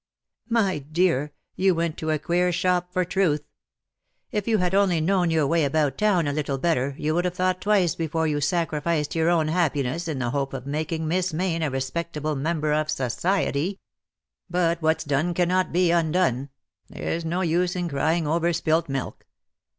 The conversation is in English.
" My dear, you went to a queer shop for truth. If you had only known your way about town a little better you would have thought twice before you sacrificed your own happiness in the hope of making Miss Mayne a respectable member of societj^ But what's done cannot be undone. There's no use in crying over spilt milk.